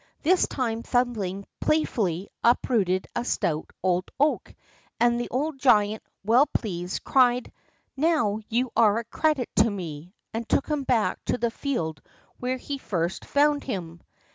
This time Thumbling playfully uprooted a stout old oak, and the old giant, well pleased, cried: "Now you are a credit to me," and took him back to the field where he first found him.